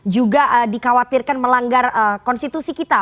juga dikhawatirkan melanggar konstitusi kita